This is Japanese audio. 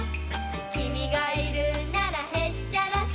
「君がいるならへっちゃらさ」